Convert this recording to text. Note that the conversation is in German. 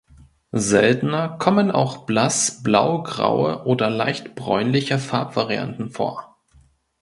Seltener kommen auch blass blaugraue oder leicht bräunliche Farbvarianten vor.